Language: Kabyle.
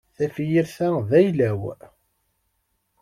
Tafyirt-a d ayla-w.